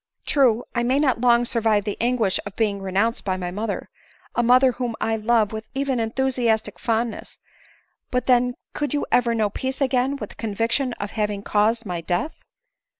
True, I may not long survive the anguish of being renounced by my mother, a mother whom I love with even enthusiastic fondness ; but then could you ADELINE MOWBRAY. 125 ever know peace again with the conviction of having caused ray death